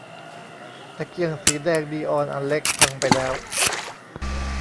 ตะเกียงสีแดงนีออนอันเล็กพังไปแล้ว